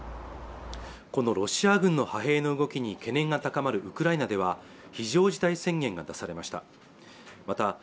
このロシア軍の派兵の動きに懸念が高まるウクライナでは非常事態宣言が出されました